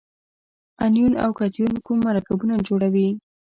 انیون او کتیون کوم مرکبونه جوړوي؟